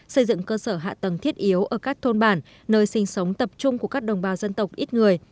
xây dựng cơ sở hạ tầng thiết yếu ở các thôn bản nơi sinh sống tập trung của các đồng bào dân tộc ít người